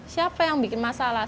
siapa yang bikin masalah